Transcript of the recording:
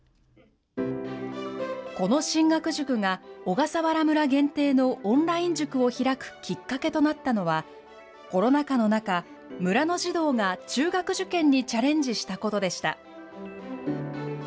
この進学塾が小笠原村限定のオンライン塾を開くきっかけとなったのは、コロナ禍の中、村の児童が中学受験にチャレンジしたことでした。